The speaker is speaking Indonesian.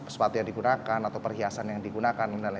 sepatu yang digunakan atau perhiasan yang digunakan